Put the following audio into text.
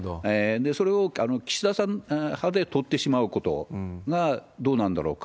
それを岸田さん派で取ってしまうことがどうなんだろうか。